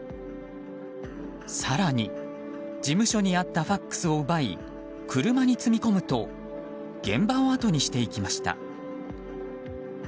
更に事務所にあったＦＡＸを奪い車に積み込むと現場をあとにしていきました。